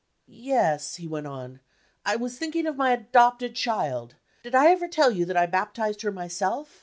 "Yes," he went on, "I was thinking of my adopted child. Did I ever tell you that I baptized her myself?